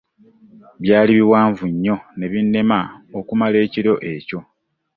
Byali biwanvu nnyo ne binnema okumala ekiro ekyo.